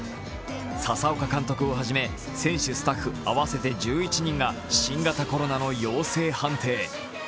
佐々岡監督を初め、選手・スタッフ合わせて１１人が新型コロナの陽性判定。